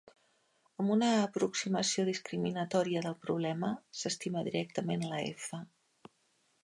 Amb una aproximació discriminatòria del problema, s'estima directament la "f".